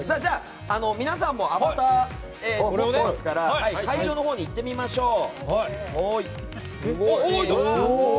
皆さんもアバターを持っていますから会場のほうに行ってみましょう。